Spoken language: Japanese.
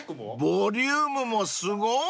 ［ボリュームもすごい！］